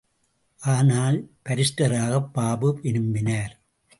ஆனால், பாரிஸ்டராக பாபு விரும்பினார்.